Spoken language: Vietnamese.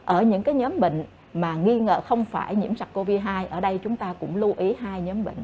ở những nhóm bệnh mà nghi ngờ không phải nhiễm sars cov hai ở đây chúng ta cũng lưu ý hai nhóm bệnh